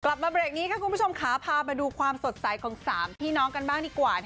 กลับมาเบรกนี้ค่ะคุณผู้ชมค่ะพามาดูความสดใสของ๓พี่น้องกันบ้างดีกว่า